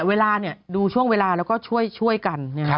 เวลาดูช่วงเวลาแล้วก็ช่วยกัน